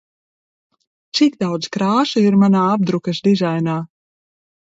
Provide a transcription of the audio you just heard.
Cik daudz krāsu ir manā apdrukas dizainā?